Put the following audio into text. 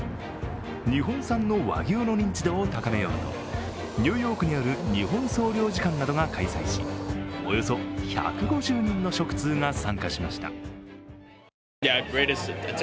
日本産の和牛の認知度を高めようと、ニューヨークにある日本総領事館などが開催し、およそ１５０人の食通が参加しました。